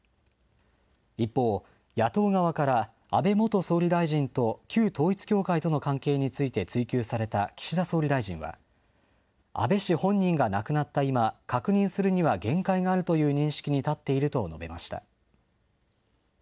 一方、野党側から安倍元総理大臣と旧統一教会との関係について追及された岸田総理大臣は、安倍氏本人が亡くなった今、確認するには限界があるという認識に立っていると述べました。